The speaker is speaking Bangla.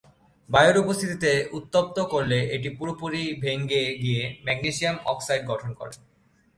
বায়ুর উপস্থিতিতে উত্তপ্ত করলে এটি পুরোপুরি ভেঙ্গে গিয়ে ম্যাগনেসিয়াম অক্সাইড গঠন করে।